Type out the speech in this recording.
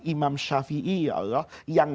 imam syafi'i ya allah yang